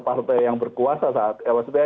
partai yang berkuasa saat